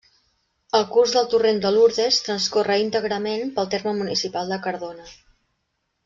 El curs del Torrent de Lurdes transcorre íntegrament pel terme municipal de Cardona.